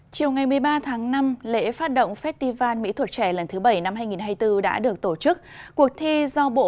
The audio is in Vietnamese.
chiều một mươi ba năm lễ phát động festival mỹ thuộc trẻ lần thứ bảy năm hai nghìn hai mươi bốn đã được tổ chức cuộc thi do